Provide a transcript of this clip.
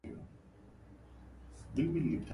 إذا ما مدحت أبا صالح فأعدد له الشتم